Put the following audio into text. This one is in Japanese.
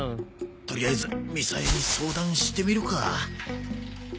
とりあえずみさえに相談してみるか。